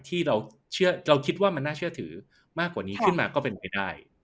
ที่เราคิดว่ามันน่าเชื่อถือมากกว่านี้ขึ้นมาก็เป็นไปได้